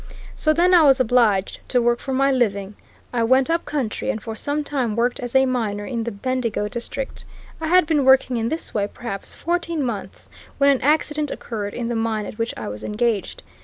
"So then I was obliged to work for my living. I went up country, and for some time worked as a miner in the Bendigo district. I had been working in this way perhaps fourteen months when an accident occurred in the mine at which I was engaged.